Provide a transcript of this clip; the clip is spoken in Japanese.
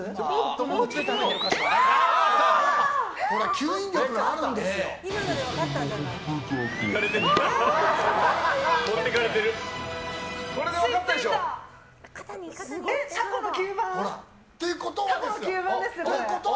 吸引力があるんですよ。